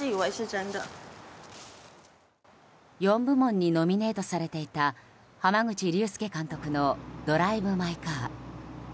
４部門にノミネートされていた濱口竜介監督の「ドライブ・マイ・カー」。